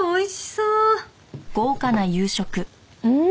うん！